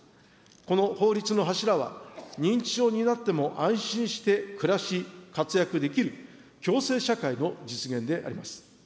この法律の柱は、認知症になっても安心して暮らし、活躍できる共生社会の実現であります。